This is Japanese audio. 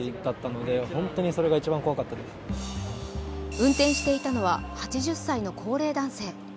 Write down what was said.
運転していたのは８０歳の高齢男性。